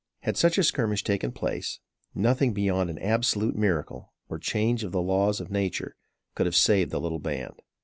Had such a skirmish taken place, nothing beyond an absolute miracle, or change of the laws of nature, could have saved the little band.